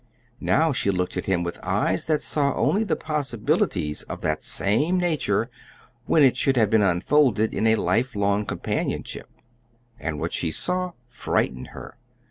Now she looked at him with eyes that saw only the possibilities of that same nature when it should have been unfolded in a lifelong companionship. And what she saw frightened her.